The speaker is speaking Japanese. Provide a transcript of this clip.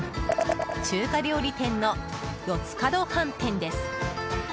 中華料理店の四つ角飯店です。